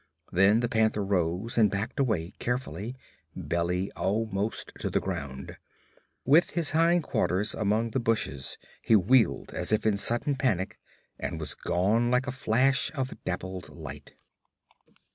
Then the panther rose and backed away carefully, belly almost to the ground. With his hind quarters among the bushes he wheeled as if in sudden panic and was gone like a flash of dappled light.